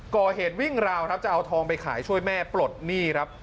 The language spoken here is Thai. ก่อเหตุวิ่งราวครับจะเอาทองไปขายช่วยแม่ปลดหนี้ครับ